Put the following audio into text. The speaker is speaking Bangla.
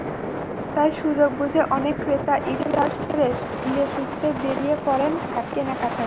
তাই সুযোগ বুঝে অনেক ক্রেতা ইফতার সেরে ধীরেসুস্থে বেরিয়ে পড়েন কেনাকাটায়।